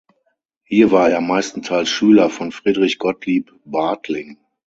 Hier war er meistenteils Schüler von Friedrich Gottlieb Bartling.